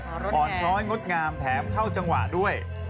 อ่อนช้อยงดงามแถมเข้าจังหวะด้วย